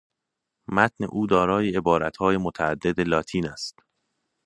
متن او دارای عبارت های متعدد لاتین است